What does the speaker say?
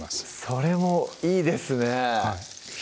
それもいいですね